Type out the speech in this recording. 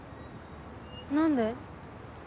何で？